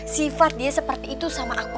sifat dia seperti itu sama aku